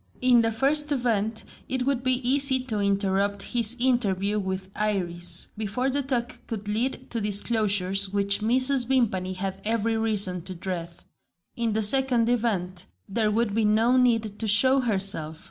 In the first event, it would be easy to interrupt his interview with Iris, before the talk could lead to disclosures which Mrs. Vimpany had every reason to dread. In the second event, there would be no need to show herself.